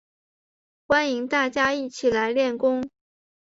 欢迎大家一起来练功